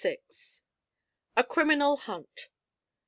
A CRIMINAL HUNT.